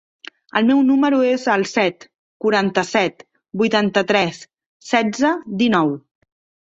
El meu número es el set, quaranta-set, vuitanta-tres, setze, dinou.